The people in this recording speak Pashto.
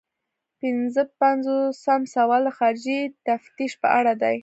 پنځه پنځوسم سوال د خارجي تفتیش په اړه دی.